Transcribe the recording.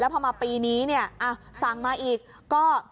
แล้วพอมาปีนี้อ่าสร้างมาอีก